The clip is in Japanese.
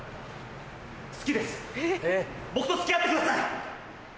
好きです僕と付き合ってください！